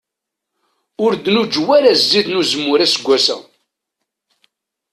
Ur d-nuǧew ara zzit n uzemmur aseggas-a.